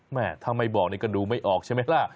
แม่ถ้าไม่บอกนี่ก็ดูไม่ออกใช่ไหมล่ะ